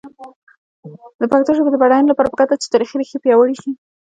د پښتو ژبې د بډاینې لپاره پکار ده چې تاریخي ریښې پیاوړې شي.